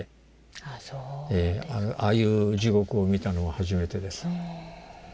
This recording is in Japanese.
ああいう地獄を見たのは初めてです。